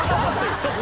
ちょっと！